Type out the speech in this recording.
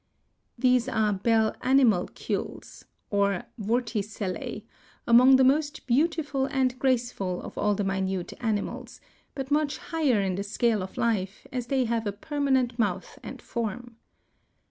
These are Bell Animalcules (Fig. 5) or Vorticellæ, among the most beautiful and graceful of all the minute animals, but much higher in the scale of life, as they have a permanent mouth and form.